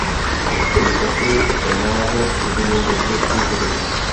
Postupem času se název vyvinul do dnešní podoby.